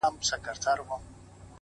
د ښکلا د دُنیا موري” د شرابو د خُم لوري”